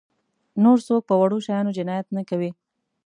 نور څوک په وړو شیانو جنایت نه کوي.